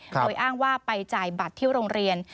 โดยอ้างว่าไปจ่ายบัตรที่โรงเรียน